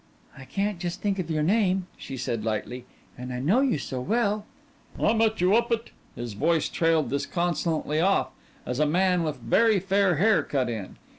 "I can't just think of your name," she said lightly "and I know you so well." "I met you up at " His voice trailed disconsolately off as a man with very fair hair cut in.